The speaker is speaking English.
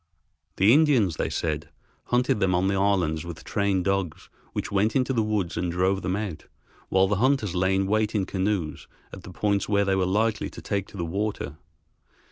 The Indians, they said, hunted them on the islands with trained dogs which went into the woods and drove them out, while the hunters lay in wait in canoes at the points where they were likely to take to the water.